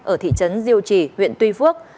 ở thị trấn diêu trì huyện tuy phước